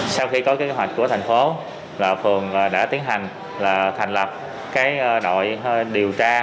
sau khi có kế hoạch của thành phố phường đã tiến hành thành lập đội điều tra